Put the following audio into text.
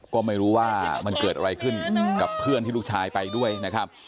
ก็ไม่รู้ว่ามันเกิดอะไรขึ้นกับเพื่อนที่ลูกชายไปด้วยนะครับ